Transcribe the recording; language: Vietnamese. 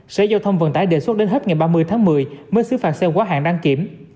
sở giao thông vận tải đề xuất đến hết ngày ba mươi tháng một mươi mới xứ phạt xe quá hạn đăng kiểm